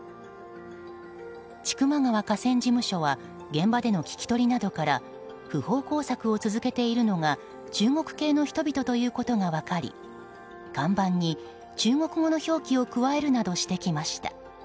千曲川河川事務所は現場での聞き取りなどから不法耕作を続けているのが中国系の人々ということが分かり看板に中国語の表記を加えるなどしてきました。